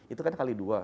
itu kan kali dua